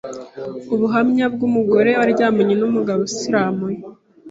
Ubuhamya bw’umugore waryamanye n’umugabo usiramuye